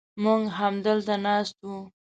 موږ همدلته ناست و.